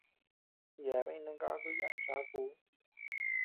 Yeabean jinangaku yana chaku.